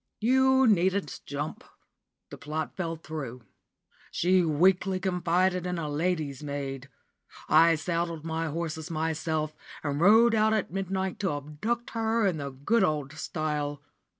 You needn't jump. The plot fell through. She weakly confided in a lady's maid. I saddled my horses myself, and rode out at midnight to abduct her in the good old style.